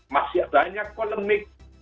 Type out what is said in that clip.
masyarakat banyak polemik